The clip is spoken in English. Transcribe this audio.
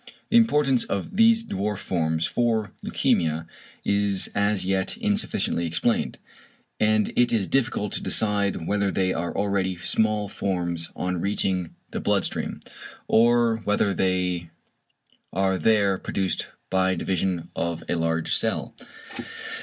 The importance of these dwarf forms for leukæmia is as yet insufficiently explained; and it is difficult to decide whether they are already small forms on reaching the blood stream, or whether they are there produced by division of a large cell.